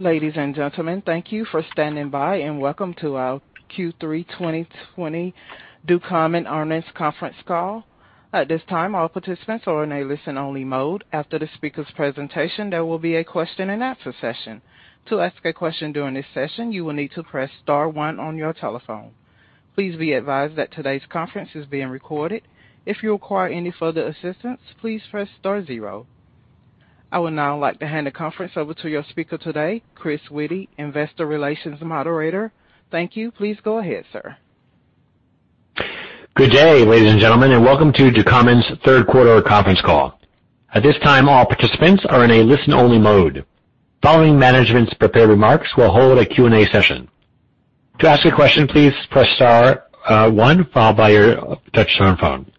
Ladies and gentlemen, thank you for standing by, and welcome to our Q3 2020 Ducommun Earnings Conference Call. At this time, all participants are in a listen-only mode. After the speakers' presentation, there will be a question and answer session. I would now like to hand the conference over to your speaker today, Chris Witty, investor relations moderator. Thank you. Please go ahead, sir. Good day, ladies and gentlemen, and welcome to Ducommun's third quarter conference call. At this time, all participants are in a listen-only mode. Following management's prepared remarks, we'll hold a Q&A session. To ask a question, please press star one followed by your touch tone phone.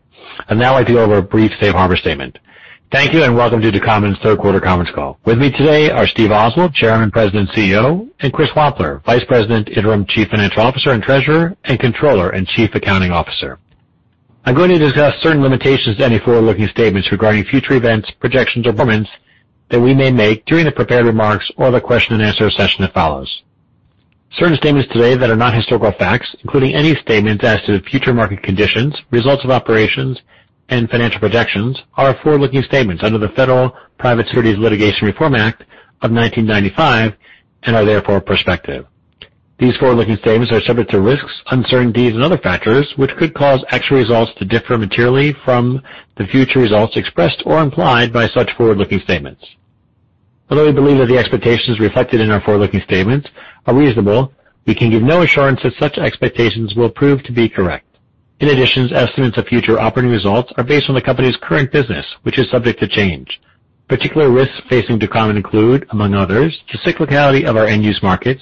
Now I'd go over a brief safe harbor statement. Thank you and welcome to Ducommun's third quarter conference call. With me today are Steve Oswald, Chairman, President, CEO; and Chris Wampler, Vice President, Interim Chief Financial Officer, and Treasurer and Controller and Chief Accounting Officer. I'm going to discuss certain limitations to any forward-looking statements regarding future events, projections, or performance that we may make during the prepared remarks or the question and answer session that follows. Certain statements today that are not historical facts, including any statements as to future market conditions, results of operations, and financial projections are forward-looking statements under the Federal Private Securities Litigation Reform Act of 1995 and are therefore prospective. These forward-looking statements are subject to risks, uncertainties, and other factors which could cause actual results to differ materially from the future results expressed or implied by such forward-looking statements. Although we believe that the expectations reflected in our forward-looking statements are reasonable, we can give no assurance that such expectations will prove to be correct. In addition, estimates of future operating results are based on the company's current business, which is subject to change. Particular risks facing Ducommun include, among others, the cyclicality of our end-use markets,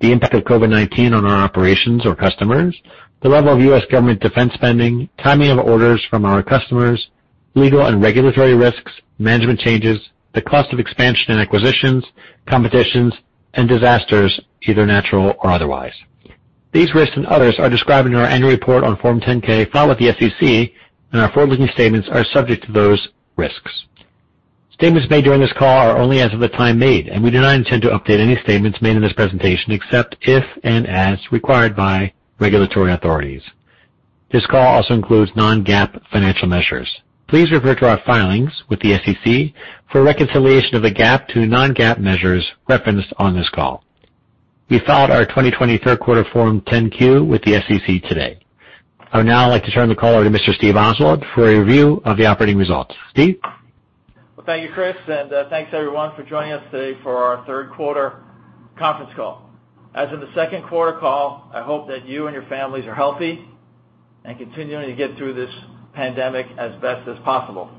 the impact of COVID-19 on our operations or customers, the level of U.S. government defense spending, timing of orders from our customers, legal and regulatory risks, management changes, the cost of expansion and acquisitions, competitions, and disasters, either natural or otherwise. These risks and others are described in our annual report on Form 10-K filed with the SEC, and our forward-looking statements are subject to those risks. Statements made during this call are only as of the time made, and we do not intend to update any statements made in this presentation, except if and as required by regulatory authorities. This call also includes non-GAAP financial measures. Please refer to our filings with the SEC for a reconciliation of the GAAP to non-GAAP measures referenced on this call. We filed our 2020 third quarter Form 10-Q with the SEC today. I would now like to turn the call over to Mr. Steve Oswald for a review of the operating results. Steve? Well, thank you, Chris, and thanks, everyone, for joining us today for our third quarter conference call. As in the second quarter call, I hope that you and your families are healthy and continuing to get through this pandemic as best as possible.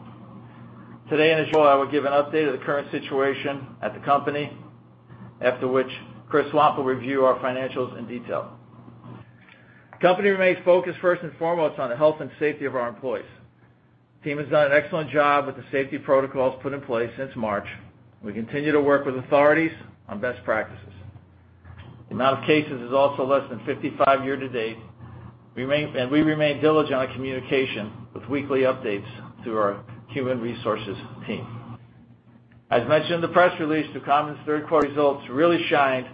Today, initially, I will give an update of the current situation at the company, after which Chris Wampler will review our financials in detail. The company remains focused first and foremost on the health and safety of our employees. The team has done an excellent job with the safety protocols put in place since March. We continue to work with authorities on best practices. The amount of cases is also less than 55 year to date. We remain diligent on communication with weekly updates through our human resources team. As mentioned in the press release, Ducommun's third quarter results really shined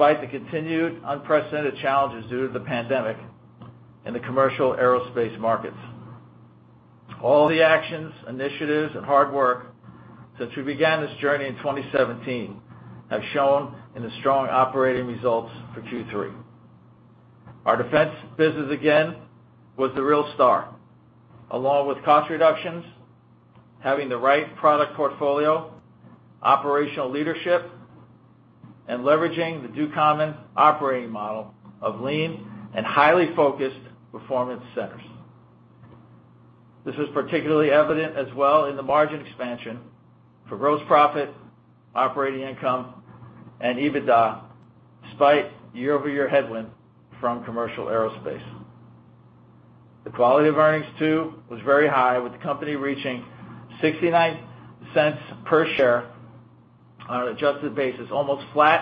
despite the continued unprecedented challenges due to the pandemic in the commercial aerospace markets. All the actions, initiatives, and hard work since we began this journey in 2017 have shown in the strong operating results for Q3. Our defense business again was the real star, along with cost reductions, having the right product portfolio, operational leadership, and leveraging the Ducommun operating model of lean and highly focused performance centers. This was particularly evident as well in the margin expansion for gross profit, operating income, and EBITDA, despite year-over-year headwind from commercial aerospace. The quality of earnings too was very high, with the company reaching $0.69 per share on an adjusted basis, almost flat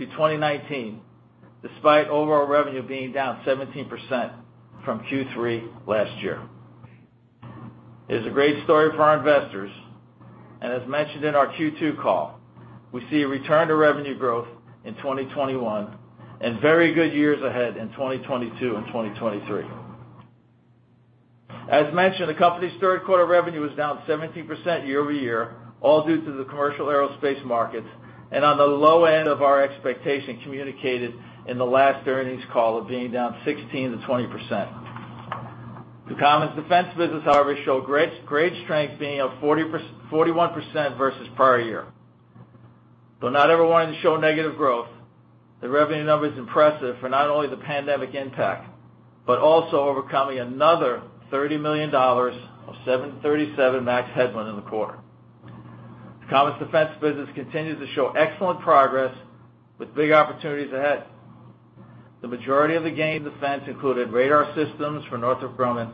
to 2019, despite overall revenue being down 17% from Q3 last year. It is a great story for our investors, and as mentioned in our Q2 call, we see a return to revenue growth in 2021 and very good years ahead in 2022 and 2023. As mentioned, the company's third quarter revenue was down 17% year-over-year, all due to the commercial aerospace markets, and on the low end of our expectation communicated in the last earnings call of being down 16%-20%. Ducommun's defense business, however, showed great strength, being up 41% versus prior year. Though not everyone wanted to show negative growth, the revenue number is impressive for not only the pandemic impact, but also overcoming another $30 million of 737 MAX headwind in the quarter. Ducommun's defense business continues to show excellent progress with big opportunities ahead. The majority of the gain in defense included radar systems for Northrop Grumman,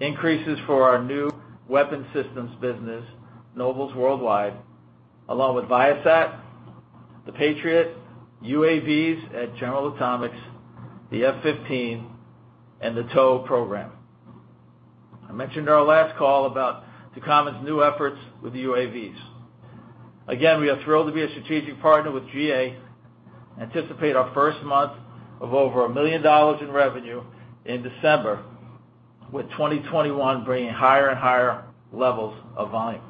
increases for our new weapons systems business, Nobles Worldwide, along with Viasat, the Patriot, UAVs at General Atomics, the F-15, and the TOW program. I mentioned our last call about Ducommun's new efforts with the UAVs. Again, we are thrilled to be a strategic partner with GA, anticipate our first month of over $1 million in revenue in December, with 2021 bringing higher and higher levels of volume.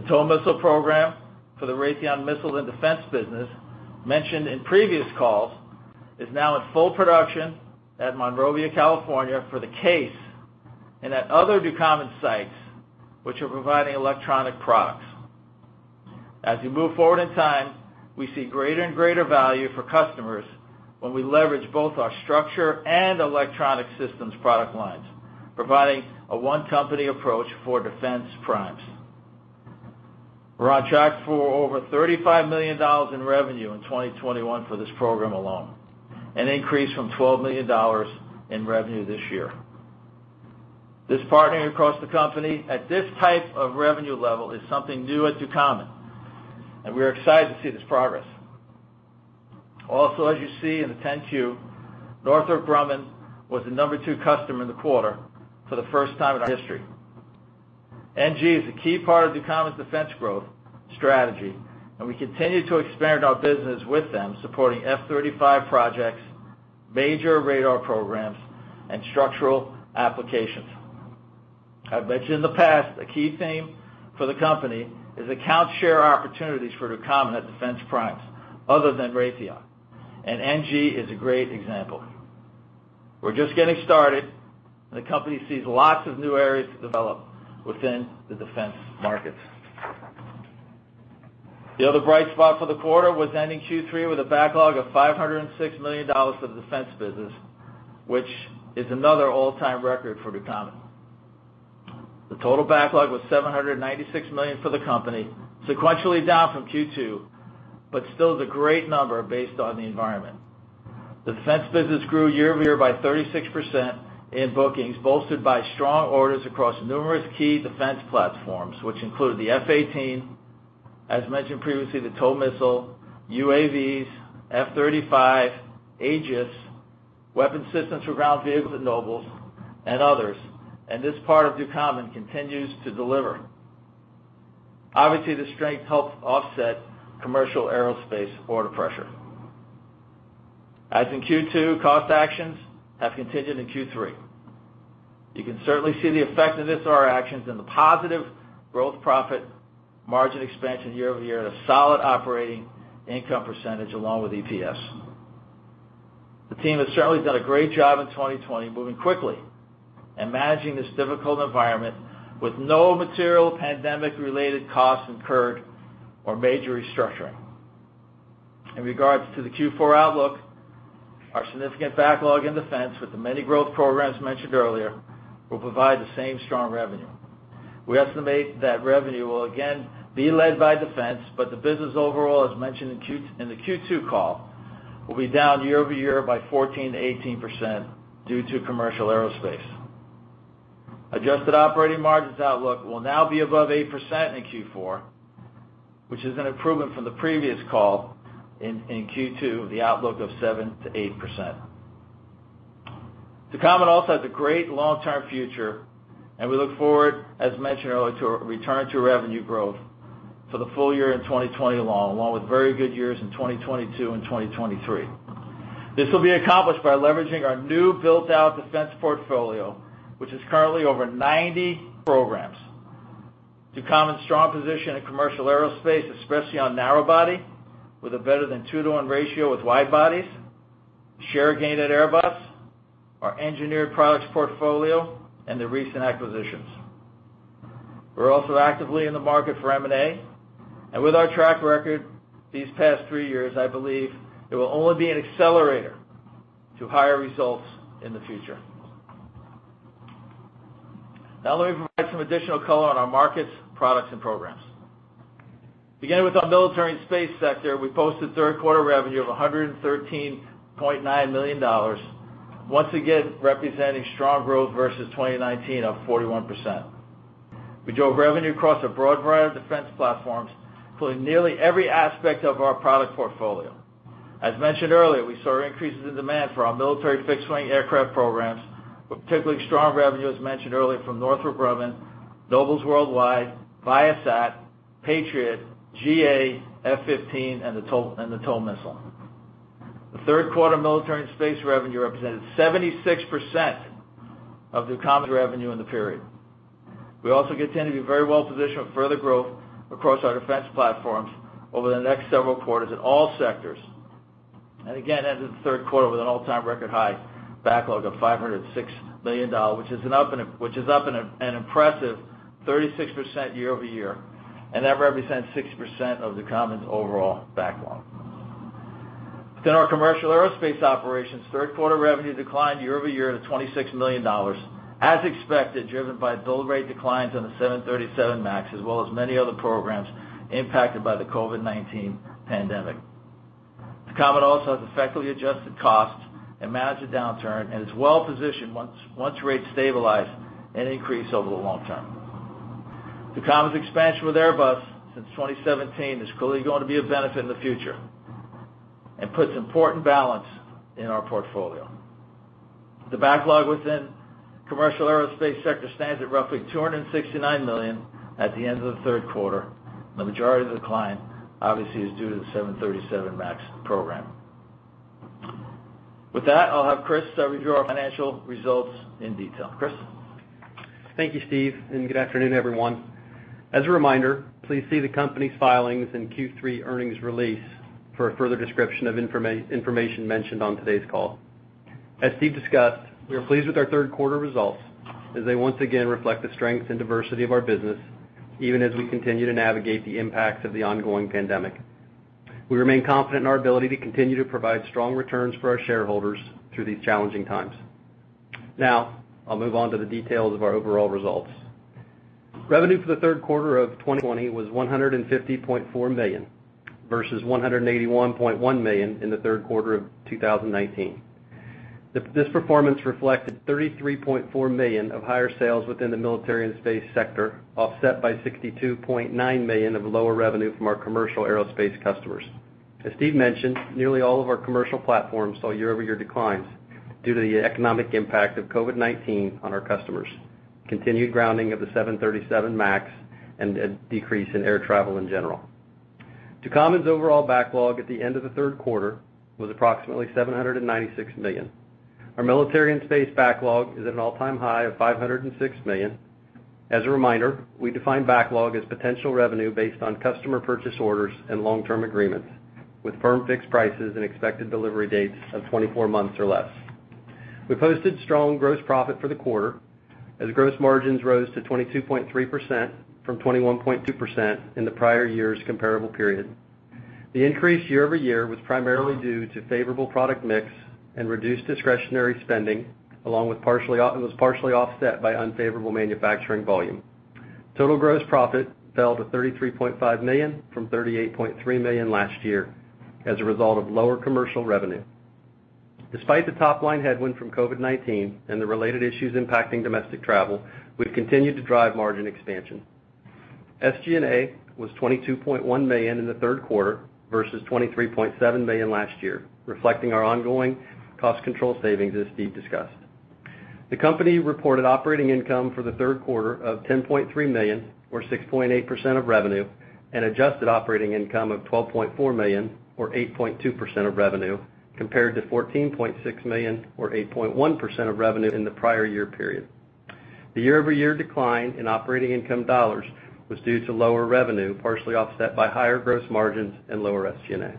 The TOW missile program for the Raytheon Missiles & Defense business, mentioned in previous calls, is now in full production at Monrovia, California for the case, and at other Ducommun sites, which are providing electronic products. As we move forward in time, we see greater and greater value for customers when we leverage both our structure and electronic systems product lines, providing a one-company approach for defense primes. We're on track for over $35 million in revenue in 2021 for this program alone, an increase from $12 million in revenue this year. This partnering across the company at this type of revenue level is something new at Ducommun, we're excited to see this progress. As you see in the 10-Q, Northrop Grumman was the number two customer in the quarter for the first time in our history. NG is a key part of Ducommun's defense growth strategy, we continue to expand our business with them, supporting F-35 projects, major radar programs, and structural applications. I've mentioned in the past, a key theme for the company is account share opportunities for Ducommun at defense primes other than Raytheon, NG is a great example. We're just getting started, the company sees lots of new areas to develop within the defense markets. The other bright spot for the quarter was ending Q3 with a backlog of $506 million for the defense business, which is another all-time record for Ducommun. The total backlog was $796 million for the company, sequentially down from Q2, but still is a great number based on the environment. The defense business grew year-over-year by 36% in bookings, bolstered by strong orders across numerous key defense platforms, which include the F-18, as mentioned previously, the TOW missile, UAVs, F-35, Aegis, weapon systems for ground vehicles at Nobles, and others, and this part of Ducommun continues to deliver. Obviously, the strength helped offset commercial aerospace order pressure. As in Q2, cost actions have continued in Q3. You can certainly see the effect of this, our actions, in the positive gross profit margin expansion year-over-year at a solid operating income percentage along with EPS. The team has certainly done a great job in 2020, moving quickly and managing this difficult environment with no material pandemic-related costs incurred or major restructuring. In regards to the Q4 outlook, our significant backlog in defense with the many growth programs mentioned earlier will provide the same strong revenue. We estimate that revenue will again be led by defense, but the business overall, as mentioned in the Q2 call, will be down year-over-year by 14%-18% due to commercial aerospace. Adjusted operating margins outlook will now be above 8% in Q4, which is an improvement from the previous call in Q2 with the outlook of 7%-8%. Ducommun also has a great long-term future, and we look forward, as mentioned earlier, to a return to revenue growth for the full year in 2020 along with very good years in 2022 and 2023. This will be accomplished by leveraging our new built-out defense portfolio, which is currently over 90 programs. Ducommun's strong position in commercial aerospace, especially on narrow body, with a better than two to one ratio with wide bodies, share gain at Airbus, our engineered products portfolio, and the recent acquisitions. We're also actively in the market for M&A. With our track record these past three years, I believe it will only be an accelerator to higher results in the future. Now let me provide some additional color on our markets, products, and programs. Beginning with our military and space sector, we posted third quarter revenue of $113.9 million, once again, representing strong growth versus 2019 of 41%. We drove revenue across a broad variety of defense platforms, including nearly every aspect of our product portfolio. As mentioned earlier, we saw increases in demand for our military fixed-wing aircraft programs, with particularly strong revenue, as mentioned earlier, from Northrop Grumman, Nobles Worldwide, Viasat, Patriot, GA, F-15, and the TOW missile. The third quarter military and space revenue represented 76% of Ducommun's revenue in the period. We also continue to be very well-positioned for further growth across our defense platforms over the next several quarters in all sectors. Again, ended the third quarter with an all-time record high backlog of $506 million, which is up an impressive 36% year-over-year, and that represents 6% of Ducommun's overall backlog. Within our commercial aerospace operations, third quarter revenue declined year-over-year to $26 million, as expected, driven by build rate declines on the 737 MAX, as well as many other programs impacted by the COVID-19 pandemic. Ducommun also has effectively adjusted costs and managed the downturn, and is well-positioned once rates stabilize and increase over the long term. Ducommun's expansion with Airbus since 2017 is clearly going to be a benefit in the future and puts important balance in our portfolio. The backlog within the commercial aerospace sector stands at roughly $269 million at the end of the third quarter. The majority of the decline, obviously, is due to the 737 MAX program. With that, I'll have Chris review our financial results in detail. Chris? Thank you, Steve, and good afternoon, everyone. As a reminder, please see the company's filings and Q3 earnings release for a further description of information mentioned on today's call. As Steve discussed, we are pleased with our third quarter results as they once again reflect the strength and diversity of our business, even as we continue to navigate the impacts of the ongoing pandemic. We remain confident in our ability to continue to provide strong returns for our shareholders through these challenging times. Now, I'll move on to the details of our overall results. Revenue for the third quarter of 2020 was $150.4 million, versus $181.1 million in the third quarter of 2019. This performance reflected $33.4 million of higher sales within the military and space sector, offset by $62.9 million of lower revenue from our commercial aerospace customers. As Steve mentioned, nearly all of our commercial platforms saw year-over-year declines due to the economic impact of COVID-19 on our customers, continued grounding of the 737 MAX, and a decrease in air travel in general. Ducommun's overall backlog at the end of the third quarter was approximately $796 million. Our military and space backlog is at an all-time high of $506 million. As a reminder, we define backlog as potential revenue based on customer purchase orders and long-term agreements, with firm fixed prices and expected delivery dates of 24 months or less. We posted strong gross profit for the quarter, as gross margins rose to 22.3% from 21.2% in the prior year's comparable period. The increase year-over-year was primarily due to favorable product mix and reduced discretionary spending, and was partially offset by unfavorable manufacturing volume. Total gross profit fell to $33.5 million from $38.3 million last year as a result of lower commercial revenue. Despite the top-line headwind from COVID-19 and the related issues impacting domestic travel, we've continued to drive margin expansion. SG&A was $22.1 million in the third quarter versus $23.7 million last year, reflecting our ongoing cost control savings as Steve discussed. The company reported operating income for the third quarter of $10.3 million, or 6.8% of revenue, and adjusted operating income of $12.4 million, or 8.2% of revenue, compared to $14.6 million or 8.1% of revenue in the prior year period. The year-over-year decline in operating income dollars was due to lower revenue, partially offset by higher gross margins and lower SG&A.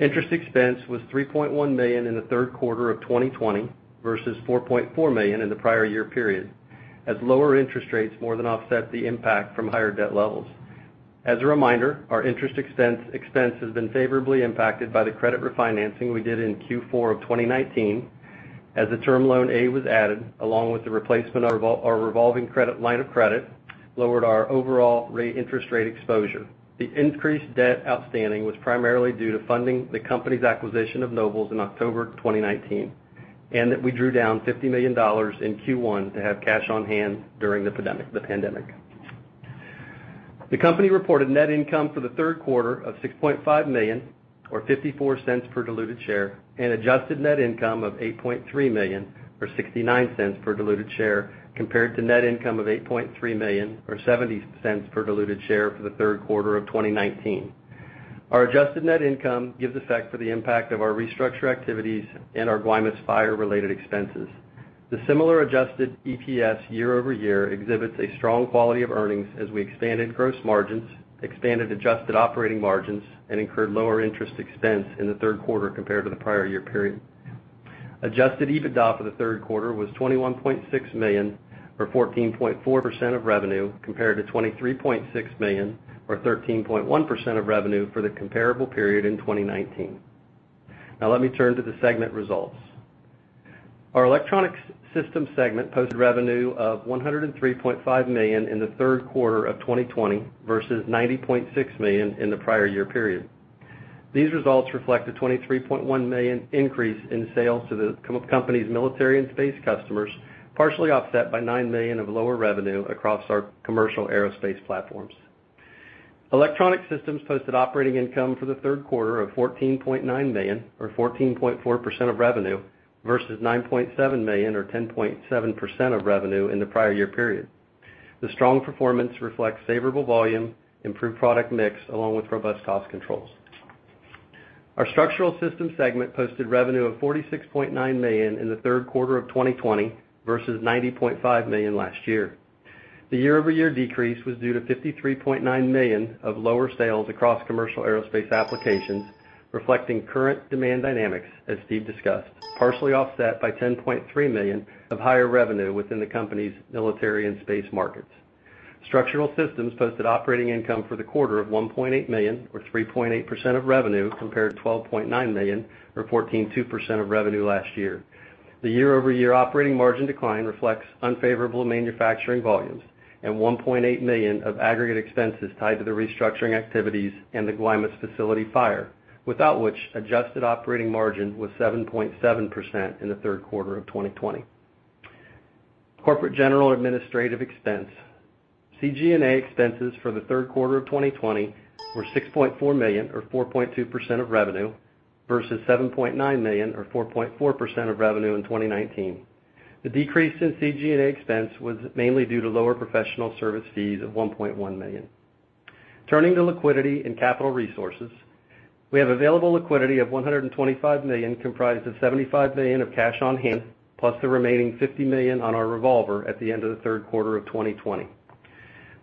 Interest expense was $3.1 million in the third quarter of 2020 versus $4.4 million in the prior year period, as lower interest rates more than offset the impact from higher debt levels. As a reminder, our interest expense has been favorably impacted by the credit refinancing we did in Q4 of 2019 as the term loan A was added, along with the replacement of our revolving credit line of credit lowered our overall interest rate exposure. The increased debt outstanding was primarily due to funding the company's acquisition of Nobles in October 2019, and that we drew down $50 million in Q1 to have cash on hand during the pandemic. The company reported net income for the third quarter of $6.5 million, or $0.54 per diluted share, and adjusted net income of $8.3 million or $0.69 per diluted share, compared to net income of $8.3 million or $0.70 per diluted share for the third quarter of 2019. Our adjusted net income gives effect for the impact of our restructure activities and our Guaymas fire-related expenses. The similar adjusted EPS year-over-year exhibits a strong quality of earnings as we expanded gross margins, expanded adjusted operating margins, and incurred lower interest expense in the third quarter compared to the prior year period. Adjusted EBITDA for the third quarter was $21.6 million, or 14.4% of revenue, compared to $23.6 million, or 13.1% of revenue, for the comparable period in 2019. Let me turn to the segment results. Our Electronic Systems segment posted revenue of $103.5 million in the third quarter of 2020 versus $90.6 million in the prior year period. These results reflect a $23.1 million increase in sales to the company's military and space customers, partially offset by $9 million of lower revenue across our commercial aerospace platforms. Electronic Systems posted operating income for the third quarter of $14.9 million, or 14.4% of revenue, versus $9.7 million, or 10.7% of revenue, in the prior year period. The strong performance reflects favorable volume, improved product mix, along with robust cost controls. Our Structural Systems segment posted revenue of $46.9 million in the third quarter of 2020 versus $90.5 million last year. The year-over-year decrease was due to $53.9 million of lower sales across commercial aerospace applications, reflecting current demand dynamics as Steve discussed, partially offset by $10.3 million of higher revenue within the company's military and space markets. Structural systems posted operating income for the quarter of $1.8 million, or 3.8% of revenue, compared to $12.9 million, or 14.2% of revenue last year. The year-over-year operating margin decline reflects unfavorable manufacturing volumes and $1.8 million of aggregate expenses tied to the restructuring activities and the Guaymas facility fire, without which adjusted operating margin was 7.7% in the third quarter of 2020. Corporate General and Administrative expense. CG&A expenses for the third quarter of 2020 were $6.4 million, or 4.2% of revenue, versus $7.9 million, or 4.4% of revenue in 2019. The decrease in CG&A expense was mainly due to lower professional service fees of $1.1 million. Turning to liquidity and capital resources, we have available liquidity of $125 million, comprised of $75 million of cash on hand, plus the remaining $50 million on our revolver at the end of the third quarter of 2020.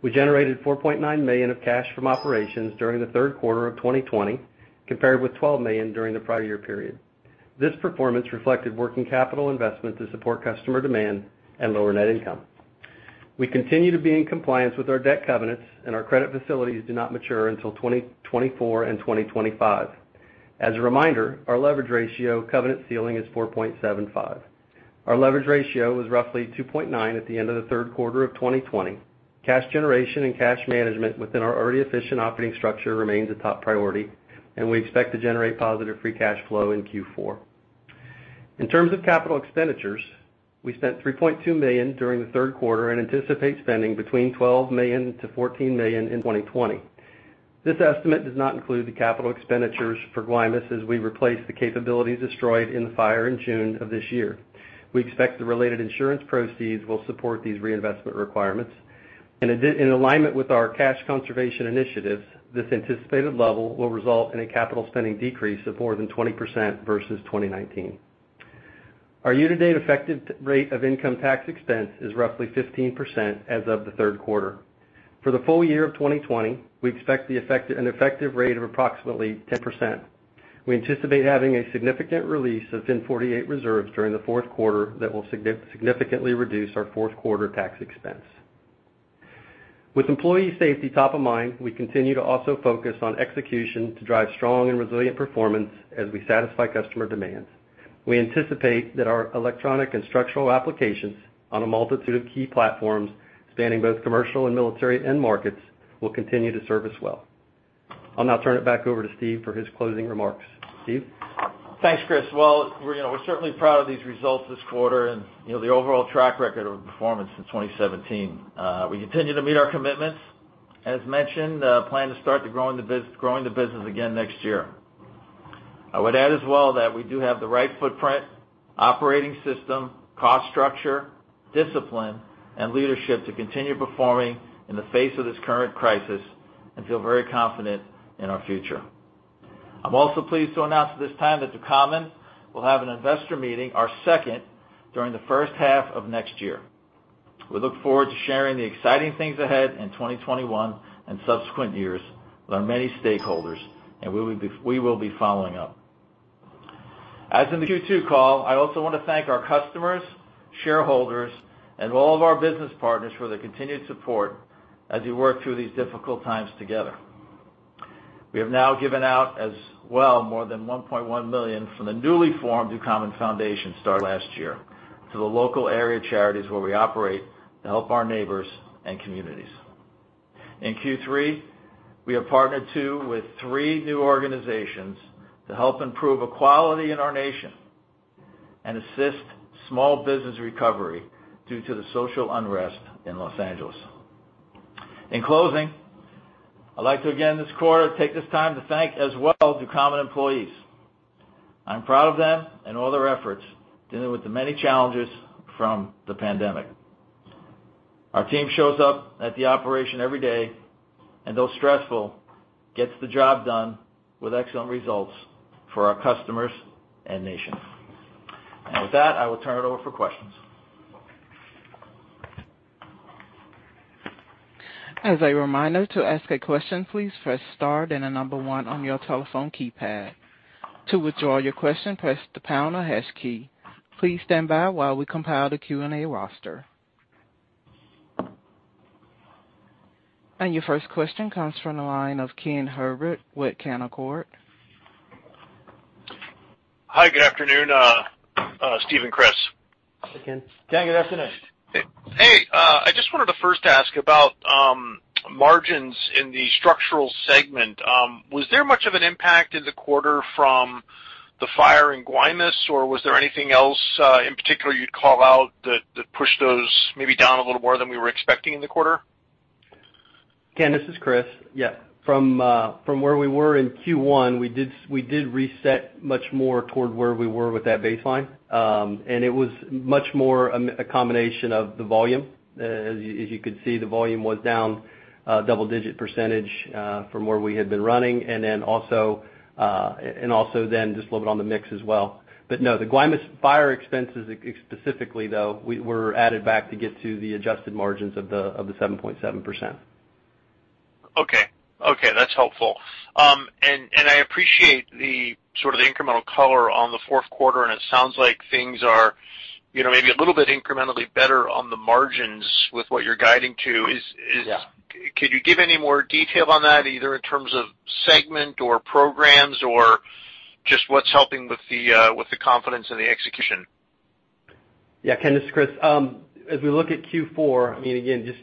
We generated $4.9 million of cash from operations during the third quarter of 2020, compared with $12 million during the prior year period. This performance reflected working capital investments to support customer demand and lower net income. We continue to be in compliance with our debt covenants, our credit facilities do not mature until 2024 and 2025. As a reminder, our leverage ratio covenant ceiling is 4.75. Our leverage ratio was roughly 2.9 at the end of the third quarter of 2020. Cash generation and cash management within our already efficient operating structure remains a top priority, we expect to generate positive free cash flow in Q4. In terms of capital expenditures, we spent $3.2 million during the third quarter and anticipate spending between $12 million-$14 million in 2020. This estimate does not include the capital expenditures for Guaymas as we replace the capabilities destroyed in the fire in June of this year. We expect the related insurance proceeds will support these reinvestment requirements. In alignment with our cash conservation initiatives, this anticipated level will result in a capital spending decrease of more than 20% versus 2019. Our year-to-date effective rate of income tax expense is roughly 15% as of the third quarter. For the full year of 2020, we expect an effective rate of approximately 10%. We anticipate having a significant release of FIN 48 reserves during the fourth quarter that will significantly reduce our fourth quarter tax expense. With employee safety top of mind, we continue to also focus on execution to drive strong and resilient performance as we satisfy customer demands. We anticipate that our electronic and structural applications on a multitude of key platforms, spanning both commercial and military end markets, will continue to serve us well. I'll now turn it back over to Steve for his closing remarks. Steve? Thanks, Chris. Well, we're certainly proud of these results this quarter and the overall track record of performance since 2017. We continue to meet our commitments. As mentioned, we plan to start growing the business again next year. I would add as well that we do have the right footprint, operating system, cost structure, discipline, and leadership to continue performing in the face of this current crisis and feel very confident in our future. I'm also pleased to announce at this time that Ducommun will have an investor meeting, our second, during the first half of next year. We look forward to sharing the exciting things ahead in 2021 and subsequent years with our many stakeholders, and we will be following up. As in the Q2 call, I also want to thank our customers, shareholders, and all of our business partners for their continued support as we work through these difficult times together. We have now given out as well more than $1.1 million from the newly formed Ducommun Foundation started last year to the local area charities where we operate to help our neighbors and communities. In Q3, we have partnered, too, with three new organizations to help improve equality in our nation and assist small business recovery due to the social unrest in Los Angeles. In closing, I'd like to, again, this quarter, take this time to thank as well Ducommun employees. I'm proud of them and all their efforts dealing with the many challenges from the pandemic. Our team shows up at the operation every day, and though stressful, gets the job done with excellent results for our customers and nation. With that, I will turn it over for questions. As a reminder, to ask a question, please press star then the number one on your telephone keypad. To withdraw your question, press the pound or hash key. Please stand by while we compile the Q&A roster. Your first question comes from the line of Ken Herbert with Canaccord. Hi, good afternoon, Steve and Chris. Hi, Ken. Ken, good afternoon. Hey, I just wanted to first ask about margins in the structural segment. Was there much of an impact in the quarter from the fire in Guaymas, or was there anything else in particular you'd call out that pushed those maybe down a little more than we were expecting in the quarter? Ken, this is Chris. Yeah. From where we were in Q1, we did reset much more toward where we were with that baseline. It was much more a combination of the volume. As you could see, the volume was down double-digit % from where we had been running. Also just a little bit on the mix as well. No, the Guaymas fire expenses specifically, though, were added back to get to the adjusted margins of the 7.7%. Okay. That's helpful. I appreciate the incremental color on the fourth quarter, it sounds like things are maybe a little bit incrementally better on the margins with what you're guiding to. Yeah. Could you give any more detail on that, either in terms of segment or programs or just what's helping with the confidence and the execution? Yeah, Ken, this is Chris. As we look at Q4, again, just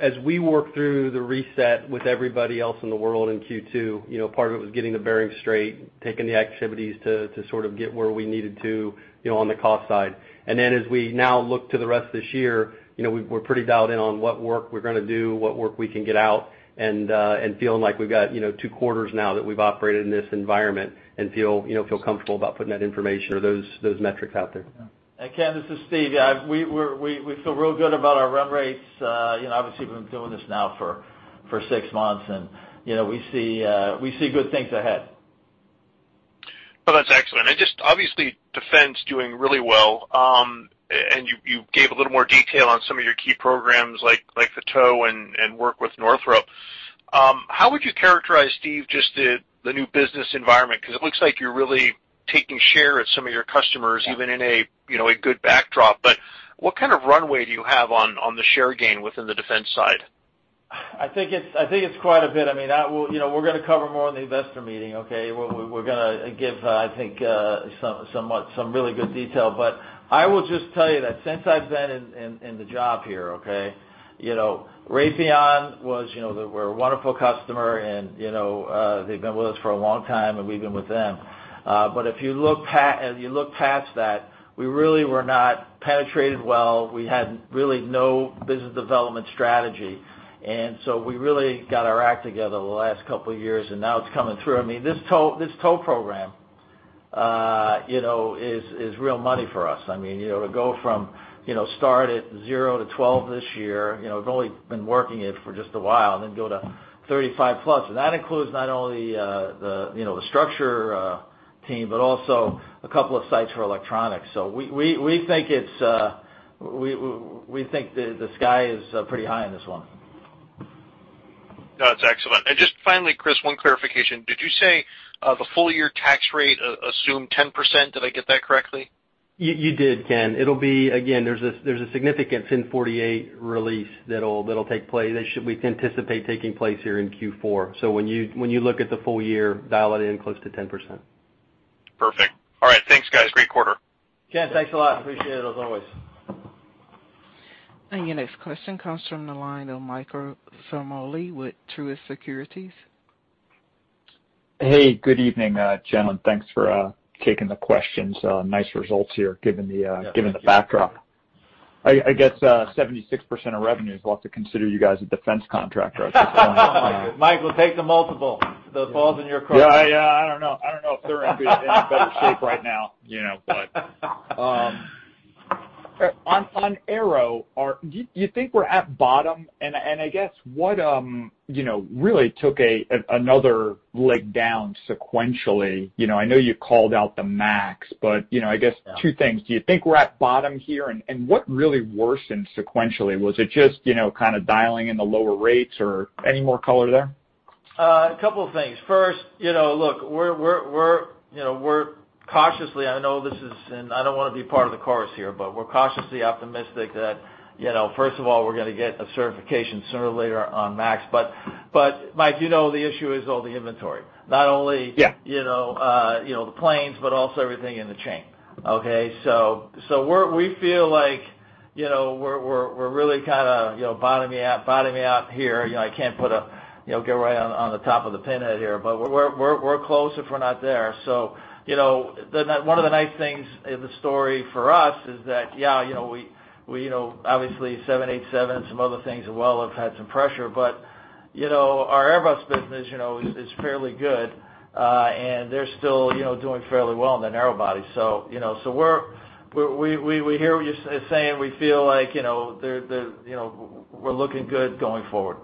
As we work through the reset with everybody else in the world in Q2, part of it was getting the bearings straight, taking the activities to sort of get where we needed to on the cost side. As we now look to the rest of this year, we're pretty dialed in on what work we're going to do, what work we can get out, and feeling like we've got two quarters now that we've operated in this environment and feel comfortable about putting that information or those metrics out there. Ken, this is Steve. Yeah, we feel real good about our run rates. Obviously, we've been doing this now for six months, and we see good things ahead. Well, that's excellent. Just obviously, defense doing really well. You gave a little more detail on some of your key programs like the TOW and work with Northrop. How would you characterize, Steve, just the new business environment? It looks like you're really taking share at some of your customers, even in a good backdrop. What kind of runway do you have on the share gain within the defense side? I think it's quite a bit. We're going to cover more in the investor meeting, okay? We're going to give, I think, some really good detail. I will just tell you that since I've been in the job here, okay, Raytheon were a wonderful customer, and they've been with us for a long time, and we've been with them. If you look past that, we really were not penetrated well. We had really no business development strategy. We really got our act together the last couple of years, and now it's coming through. This TOW program is real money for us. To go from start at zero to 12 this year, we've only been working it for just a while, and then go to 35 plus. That includes not only the structure team, but also a couple of sites for electronics. We think the sky is pretty high on this one. No, that's excellent. Just finally, Chris, one clarification. Did you say the full year tax rate assumed 10%? Did I get that correctly? You did, Ken. There's a significant FIN 48 release that we anticipate taking place here in Q4. When you look at the full year, dial it in close to 10%. Perfect. All right, thanks, guys. Great quarter. Ken, thanks a lot. Appreciate it, as always. Your next question comes from the line of Michael Ciarmoli with Truist Securities. Hey, good evening, gentlemen. Thanks for taking the questions. Nice results here, given the backdrop. I guess 76% of revenue is a lot to consider you guys a defense contractor at this point. Michael, take the multiple. The ball's in your court. Yeah, I don't know if they're in better shape right now. On Aero, do you think we're at bottom? I guess what really took another leg down sequentially? I know you called out the MAX, I guess two things. Do you think we're at bottom here? What really worsened sequentially? Was it just kind of dialing in the lower rates or any more color there? A couple of things. First, look, we're cautiously, I know this is, and I don't want to be part of the chorus here, but we're cautiously optimistic that first of all, we're going to get a certification sooner or later on MAX. Mike, you know the issue is all the inventory. Yeah. Not only the planes, but also everything in the chain, okay? We feel like we're really kind of bottoming out here. I can't get right on the top of the pinhead here, but we're close if we're not there. One of the nice things in the story for us is that, yeah, obviously 787 and some other things as well have had some pressure, but our Airbus business is fairly good. They're still doing fairly well in the narrow body. We hear what you're saying. We feel like we're looking good going forward.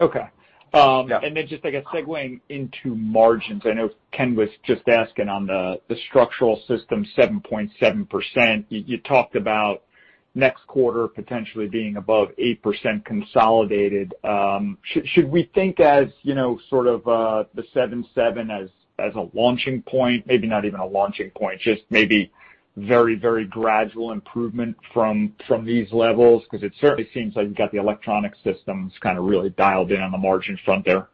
Okay. Yeah. Just, I guess, segue into margins. I know Ken was just asking on the structural system, 7.7%. You talked about next quarter potentially being above 8% consolidated. Should we think as sort of the 7.7% as a launching point? Maybe not even a launching point, just maybe very gradual improvement from these levels? It certainly seems like you've got the electronic systems kind of really dialed in on the margin front there.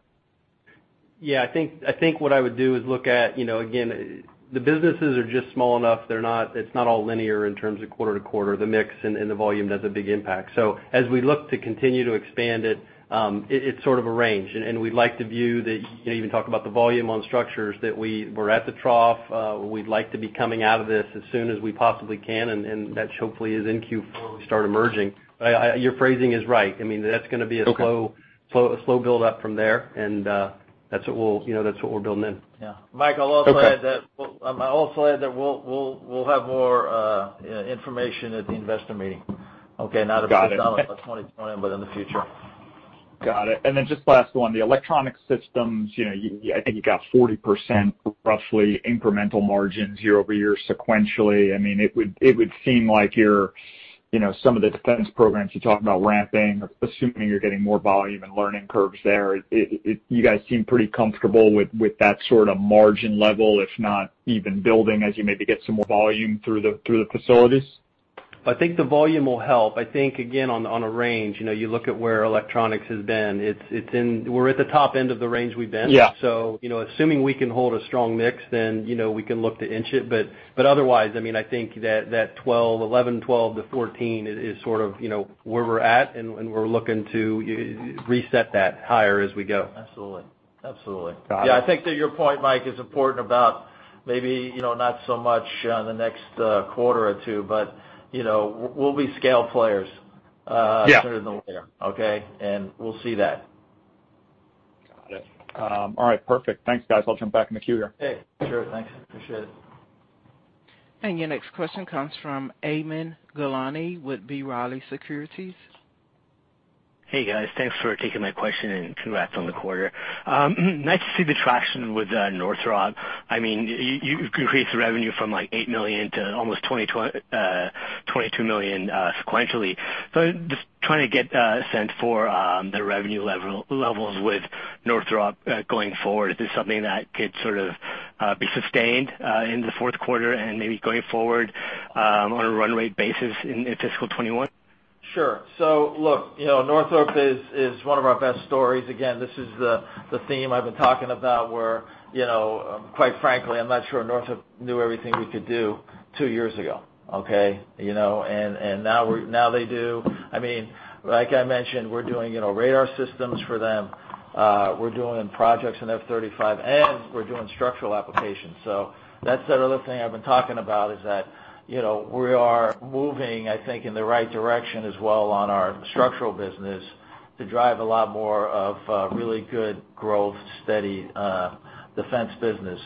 Yeah, I think what I would do is look at, again, the businesses are just small enough. It's not all linear in terms of quarter to quarter. The mix and the volume does a big impact. As we look to continue to expand it's sort of a range. We'd like to view that, even talk about the volume on structures, that we're at the trough. We'd like to be coming out of this as soon as we possibly can, and that hopefully is in Q4, we start emerging. Your phrasing is right. That's going to be a slow build-up from there, and that's what we're building in. Mike, I'll also add that we'll have more information at the investor meeting, okay? Got it. Not at 2020, but in the future. Got it. Just last one, the electronic systems, I think you got 40% roughly incremental margins year-over-year sequentially. It would seem like some of the defense programs you're talking about ramping, assuming you're getting more volume and learning curves there, you guys seem pretty comfortable with that sort of margin level, if not even building as you maybe get some more volume through the facilities? I think the volume will help. I think, again, on a range, you look at where electronics has been. We're at the top end of the range we've been. Yeah. Assuming we can hold a strong mix, we can look to inch it. Otherwise, I think that 11%, 12% to 14% is sort of where we're at, and we're looking to reset that higher as we go. Absolutely. Got it. Yeah, I think to your point, Mike, it's important about maybe not so much on the next quarter or two, but we'll be scale players. Yeah sooner than later, okay? We'll see that. Got it. All right. Perfect. Thanks, guys. I'll jump back in the queue here. Hey, sure. Thanks. Appreciate it. Your next question comes from Aman Gilani with B. Riley Securities. Hey, guys. Thanks for taking my question, and congrats on the quarter. Nice to see the traction with Northrop. You increased the revenue from like $8 million to almost $22 million sequentially. Just trying to get a sense for the revenue levels with Northrop going forward. Is this something that could sort of be sustained in the fourth quarter and maybe going forward on a run rate basis in fiscal 2021? Sure. Look, Northrop is one of our best stories. Again, this is the theme I've been talking about where, quite frankly, I'm not sure Northrop knew everything we could do two years ago. Okay. Now they do. Like I mentioned, we're doing radar systems for them. We're doing projects in F-35. We're doing structural applications. That's that other thing I've been talking about, is that we are moving, I think, in the right direction as well on our structural business to drive a lot more of really good growth, steady defense business.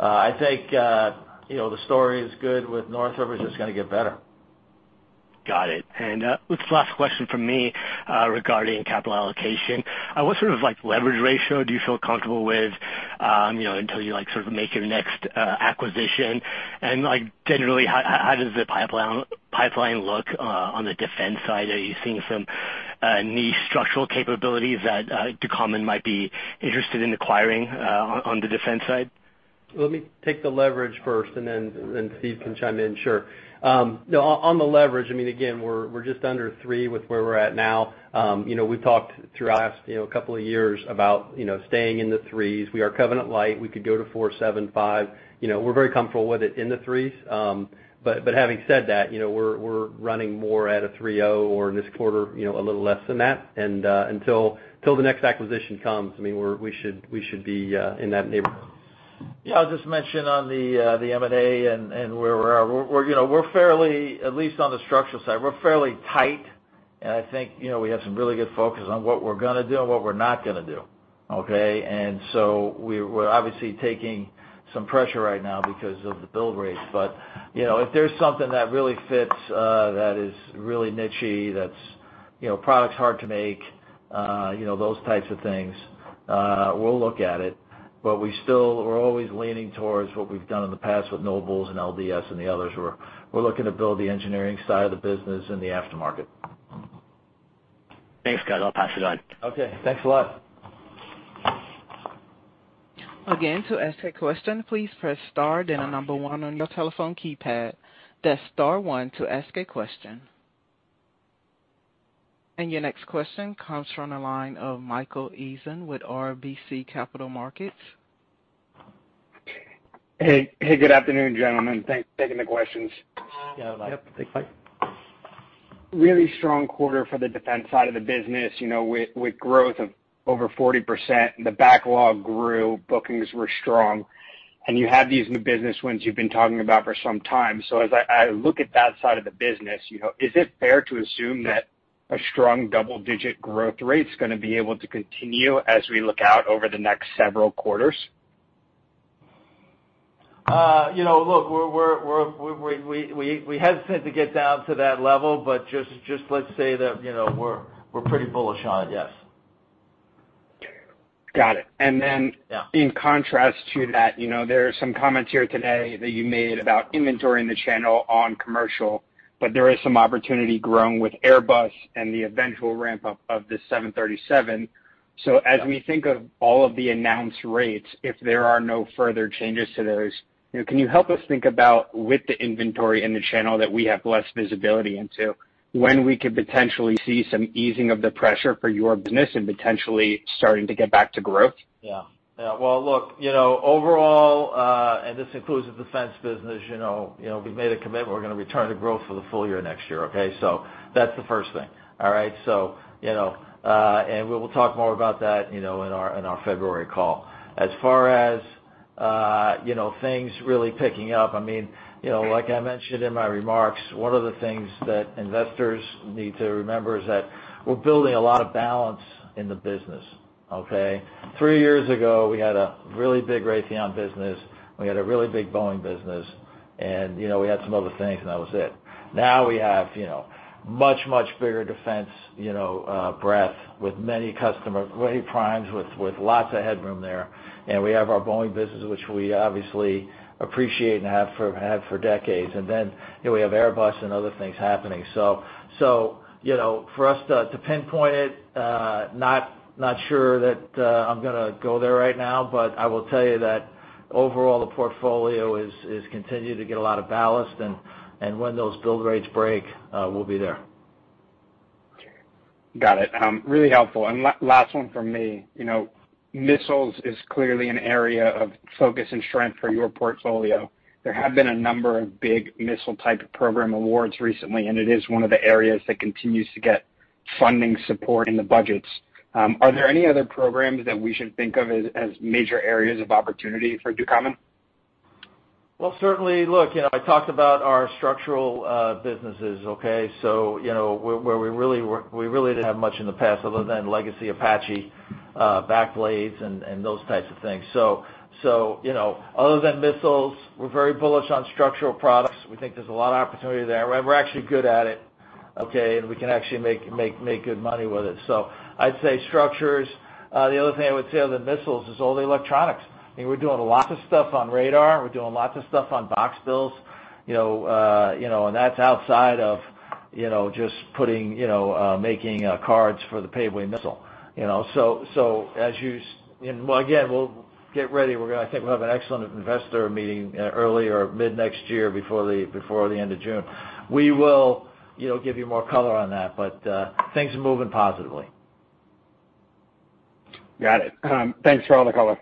I think the story is good with Northrop. It's going to get better. Got it. This is the last question from me regarding capital allocation. What sort of leverage ratio do you feel comfortable with until you make your next acquisition? Generally, how does the pipeline look on the defense side? Are you seeing some niche structural capabilities that Ducommun might be interested in acquiring on the defense side? Let me take the leverage first, and then Steve can chime in, sure. On the leverage, again, we're just under three with where we're at now. We've talked through the last couple of years about staying in the threes. We are covenant light. We could go to 4.75. We're very comfortable with it in the threes. Having said that, we're running more at a 3.0 or in this quarter, a little less than that. Until the next acquisition comes, we should be in that neighborhood. Yeah. I'll just mention on the M&A and where we are. At least on the structural side, we're fairly tight, and I think we have some really good focus on what we're going to do and what we're not going to do. Okay? We're obviously taking some pressure right now because of the build rates. If there's something that really fits, that is really niche-y, that's product's hard to make, those types of things, we'll look at it. We're always leaning towards what we've done in the past with Nobles and LDS and the others. We're looking to build the engineering side of the business in the aftermarket. Thanks, guys. I'll pass it on. Okay. Thanks a lot. To ask a question, please press star, then number one on your telephone keypad. That's star one to ask a question. Your next question comes from the line of Michael Eisen with RBC Capital Markets. Hey. Good afternoon, gentlemen. Thanks for taking the questions. Yeah, Mike. Yep. Thanks, Mike. Really strong quarter for the defense side of the business with growth of over 40%. The backlog grew, bookings were strong, and you have these new business wins you've been talking about for some time. As I look at that side of the business, is it fair to assume that a strong double-digit growth rate's going to be able to continue as we look out over the next several quarters? Look, we hesitate to get down to that level, but just let's say that we're pretty bullish on it, yes. Got it. Yeah In contrast to that, there are some comments here today that you made about inventory in the channel on commercial, there is some opportunity growing with Airbus and the eventual ramp-up of the 737. As we think of all of the announced rates, if there are no further changes to those, can you help us think about with the inventory in the channel that we have less visibility into, when we could potentially see some easing of the pressure for your business and potentially starting to get back to growth? Overall, and this includes the defense business, we've made a commitment we're going to return to growth for the full year next year, okay? That's the first thing. All right? We will talk more about that in our February call. As far as things really picking up, like I mentioned in my remarks, one of the things that investors need to remember is that we're building a lot of balance in the business, okay? Three years ago, we had a really big Raytheon business, we had a really big Boeing business, and we had some other things, and that was it. Now we have much, much bigger defense breadth with many primes, with lots of headroom there, and we have our Boeing business, which we obviously appreciate and have had for decades. We have Airbus and other things happening. For us to pinpoint it, not sure that I'm going to go there right now, but I will tell you that, overall, the portfolio is continuing to get a lot of ballast, and when those build rates break, we'll be there. Got it. Really helpful. Last one from me. Missiles is clearly an area of focus and strength for your portfolio. There have been a number of big missile type program awards recently, and it is one of the areas that continues to get funding support in the budgets. Are there any other programs that we should think of as major areas of opportunity for Ducommun? Well, certainly. Look, I talked about our structural businesses, okay? Where we really didn't have much in the past other than legacy Apache back blades and those types of things. Other than missiles, we're very bullish on structural products. We think there's a lot of opportunity there, and we're actually good at it, okay? We can actually make good money with it. I'd say structures. The other thing I would say, other than missiles, is all the electronics. We're doing lots of stuff on radar. We're doing lots of stuff on box builds, and that's outside of just making cards for the Paveway missile. Again, we'll get ready. I think we'll have an excellent investor meeting early or mid next year before the end of June. We will give you more color on that. Things are moving positively. Got it. Thanks for all the color.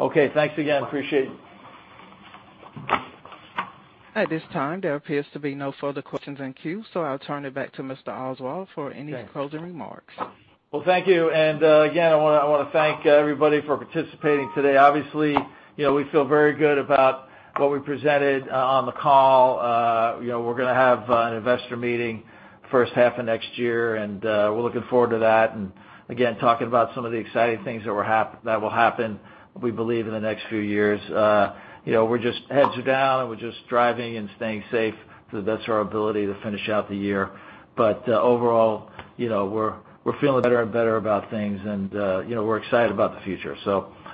Okay. Thanks again. Appreciate it. At this time, there appears to be no further questions in queue, so I'll turn it back to Mr. Oswald for any closing remarks. Well, thank you. Again, I want to thank everybody for participating today. Obviously, we feel very good about what we presented on the call. We're going to have an investor meeting first half of next year, and we're looking forward to that. Again, talking about some of the exciting things that will happen, we believe, in the next few years. Heads are down and we're just driving and staying safe to the best of our ability to finish out the year. Overall, we're feeling better and better about things and we're excited about the future.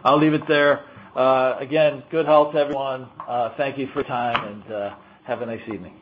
I'll leave it there. Again, good health to everyone. Thank you for your time, and have a nice evening.